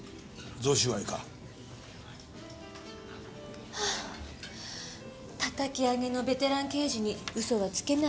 叩き上げのベテラン刑事に嘘はつけないみたいね。